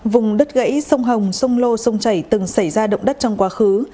vùng đất gãy sông hồng sông lô sông chảy từng xảy ra động đất trong quá khứ